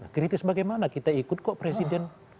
kritis bagaimana kita ikut kok presiden